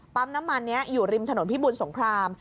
น้ำมันนี้อยู่ริมถนนพิบูลสงคราม